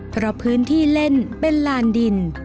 เพราะพื้นที่เล่นเป็นลานดิน